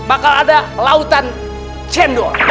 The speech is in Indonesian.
bakal ada lautan cendol